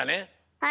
はい。